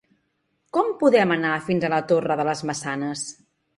Com podem anar fins a la Torre de les Maçanes?